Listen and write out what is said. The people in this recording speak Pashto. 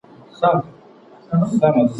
سياسي فکر په لرغوني يونان کي زياته وده وکړه.